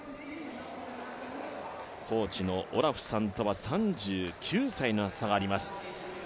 コーチのオラフさんとは３９歳の差があります。